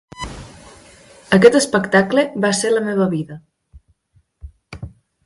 Aquest espectacle va ser la meva vida.